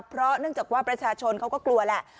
เพราะเนื่องจากว่าประชาชนเขาก็กลัวแหละ